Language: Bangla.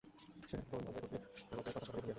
সে গোলমালে রোগীর রোগের কথা সকলেই ভুলিয়া গেল!